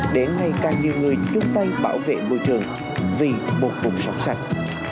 để ngay càng nhiều người chung tay bảo vệ bôi trường vì một cuộc sống sạch